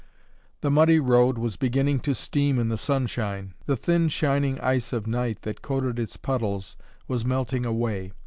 The muddy road was beginning to steam in the sunshine; the thin shining ice of night that coated its puddles was melting away.